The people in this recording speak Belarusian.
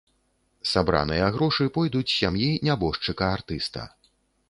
Сабраныя грошы пойдуць сям'і нябожчыка артыста.